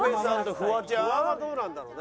フワはどうなんだろうね。